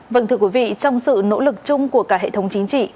vâng thưa quý vị trong sự nỗ lực chung của cả hệ thống chính trị